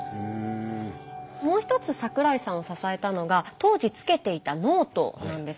もう一つ桜井さんを支えたのが当時つけていたノートなんです。